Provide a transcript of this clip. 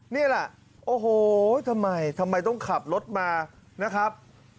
นี่ละโอ้โหทำไมต้องขับรถมานะครับ